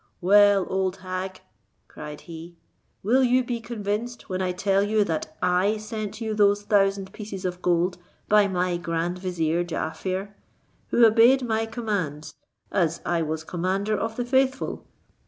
"Well, old hag," cried he, "will you be convinced when I tell you that I sent you those thousand pieces of gold by my grand vizier Jaaffier, who obeyed my commands, as I was commander of the faithful?